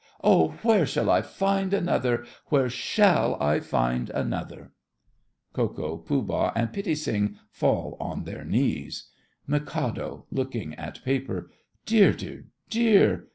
Oh, where shall I find another? Where shall I find another? [Ko Ko, Pooh Bah, and Pitti Sing fall on their knees. MIK. (looking at paper). Dear, dear, dear!